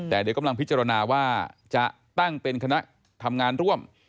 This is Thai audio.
แต่เดี๋ยวกำลังพิจารณาว่าจะตั้งเป็นคณะทำงานร่วม